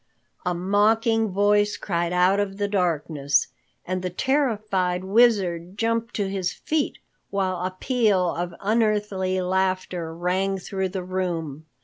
a mocking voice cried out of the darkness. And the terrified Wizard jumped to his feet, while a peal of unearthly laughter rang through the room.